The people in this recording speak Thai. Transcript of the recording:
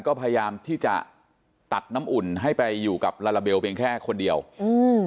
ก็พยายามที่จะตัดน้ำอุ่นให้ไปอยู่กับลาลาเบลเพียงแค่คนเดียวอืม